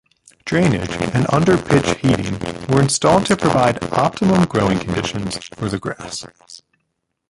Drainage and under-pitch heating were installed to provide optimum growing conditions for the grass.